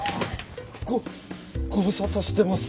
ごご無沙汰してます。